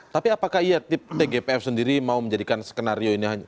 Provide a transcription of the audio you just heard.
tapi apakah tgpf sendiri mau menjadikan skenario ini